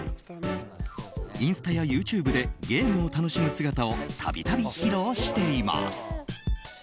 インスタやＹｏｕＴｕｂｅでゲームを楽しむ姿を度々披露しています。